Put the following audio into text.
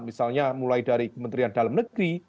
misalnya mulai dari kementerian dalam negeri